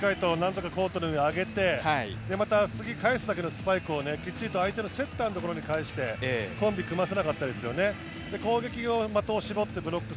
高橋君がしっかりとコートの上に上げて、また次返す時のスパイクをきっちり相手のセッターのところに返して、コンビ組ませなかったですよね。